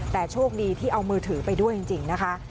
แต่โชคดีที่เอามือถือไปด้วยจริงนะคะ